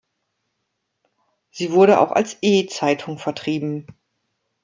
Sie wurde auch als E-Zeitung vertrieben.